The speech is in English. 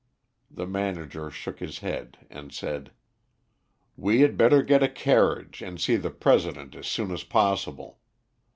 The manager shook his head and said "We had better get a carriage and see the President as soon as possible.